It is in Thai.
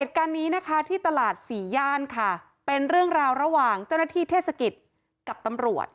เหตุการณ์นี้นะคะที่ตลาดสี่ย่านค่ะเป็นเรื่องราวระหว่างเจ้าหน้าที่เทศกิจกับตำรวจ